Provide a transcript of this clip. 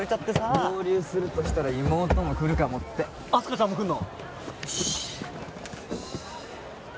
合流するとしたら妹も来るかもって明日香ちゃんも来るの？